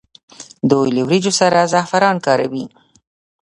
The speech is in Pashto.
دوی له وریجو سره زعفران کاروي.